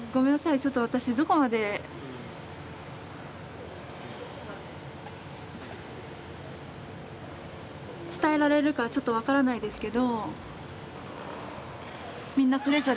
ちょっと私どこまで伝えられるかちょっと分からないですけど。